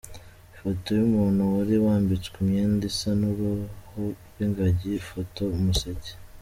Ifoto y’umuntu wari wambitswe imyenda isa n’uruhu rw’ingagi : Foto Umuseke.